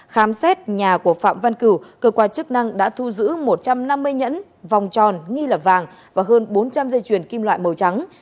khám xét nhà của phạm văn cửu cơ quan chức năng đã thu giữ một trăm năm mươi nhẫn vòng tròn nghi là vàng và hơn bốn trăm linh dây chuyền kim loại màu trắng